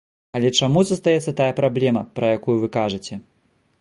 Але чаму застаецца тая праблема, пра якую вы кажаце?